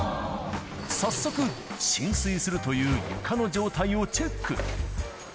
早速、浸水するという床の状態をチェック。